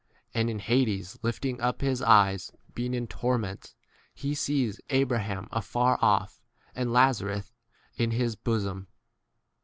And in hades lifting up his eyes, being in torments, he sees Abraham afar off and Lazarus in his bosom.